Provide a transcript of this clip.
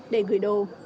để gửi đồ